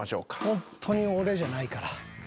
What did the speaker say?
ほんとに俺じゃないから。